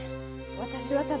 私はただ。